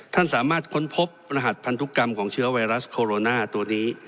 ท่านสามารถค้นพบรหัสพันธุกรรมของเชื้อไวรัสโคโรนาตัวนี้